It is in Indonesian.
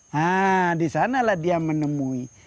nah di sanalah dia menemui